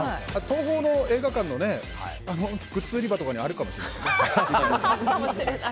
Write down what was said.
東宝の映画館のグッズ売り場とかにあるかもしれないですね。